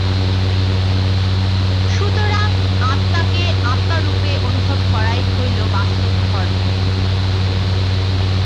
সুতরাং আত্মাকে আত্মারূপে অনুভব করাই হইল বাস্তব ধর্ম।